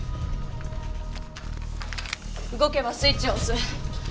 動けばスイッチを押す。